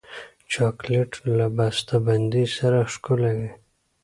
چاکلېټ له بسته بندۍ سره ښکلی وي.